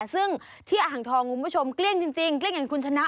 ซึ่งที่อ่างทองคุณผู้ชมเกลี้ยงจริงเกลี้ยงอย่างคุณชนะ